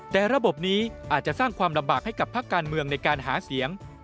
แต่ระบบนี้อาจจะสร้างความลำบากให้กับภาคการเมืองในการหาเสียง